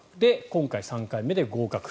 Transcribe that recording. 今回、３回目で合格。